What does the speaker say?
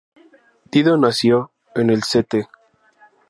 Dido nació en el St.